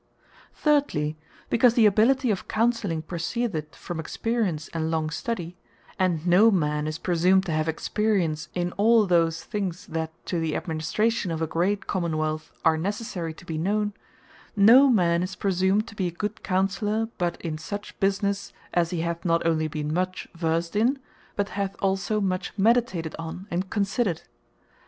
Thirdly, Because the Ability of Counselling proceedeth from Experience, and long study; and no man is presumed to have experience in all those things that to the Administration of a great Common wealth are necessary to be known, No Man Is Presumed To Be A Good Counsellour, But In Such Businesse, As He Hath Not Onely Been Much Versed In, But Hath Also Much Meditated On, And Considered.